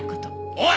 おい！